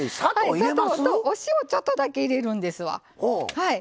砂糖とお塩ちょっとだけ入れるんですわ。